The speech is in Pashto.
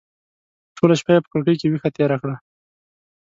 ټوله شپه یې په کړکۍ کې ویښه تېره کړه.